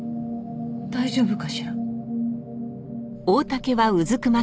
大丈夫かしら？